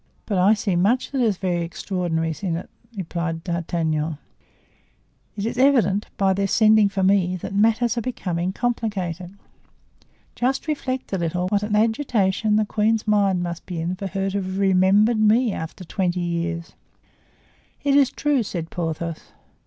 "But I see much that is very extraordinary in it," replied D'Artagnan. "It is evident, by their sending for me, that matters are becoming complicated. Just reflect a little what an agitation the queen's mind must be in for her to have remembered me after twenty years." "It is true," said Porthos.